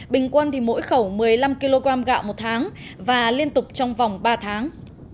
bình quân mỗi khẩu một mươi năm kg gạo một tháng và liên tục trong vòng ba tháng